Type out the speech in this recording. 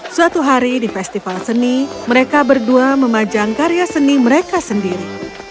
suatu hari di festival seni mereka berdua memajang karya seni mereka sendiri